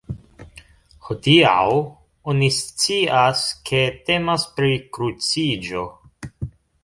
Hodiaŭ oni scias, ke temas pri kruciĝo.